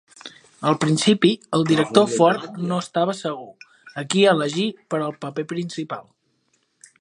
Al principi, el director Ford no estava segur a qui elegir per al paper principal.